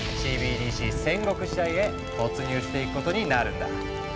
戦国時代へ突入していくことになるんだ。